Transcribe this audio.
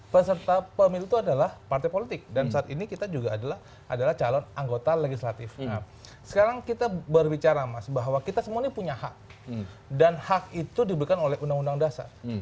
peserta pemilu itu adalah partai politik dan saat ini kita juga adalah calon anggota legislatif sekarang kita berbicara mas bahwa kita semua ini punya hak dan hak itu diberikan oleh undang undang dasar